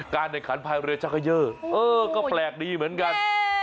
การเนื้อคันพายเรือชะเคย่อก็แปลกดีเหมือนกัน